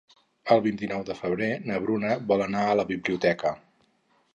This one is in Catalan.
El vint-i-nou de febrer na Bruna vol anar a la biblioteca.